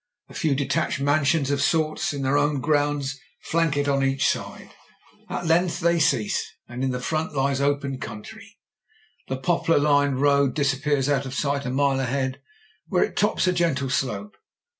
A few detached mansions of sorts, in their own grounds, flank it on each side. At length they cease, and in front lies the open country. The poplar lined road disappears out of sight a mile ahead, where it tops a gentle slope.